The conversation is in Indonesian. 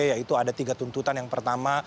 yaitu ada tiga tuntutan yang pertama